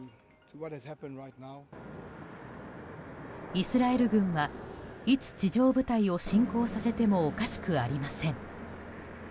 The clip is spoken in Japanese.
イスラエル軍はいつ地上部隊を侵攻させてもおかしくありません。